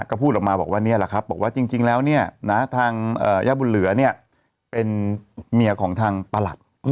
ก็พูดออกมาบอกว่านี่แหละครับบอกว่าจริงแล้วเนี่ยนะทางย่าบุญเหลือเนี่ยเป็นเมียของทางประหลัด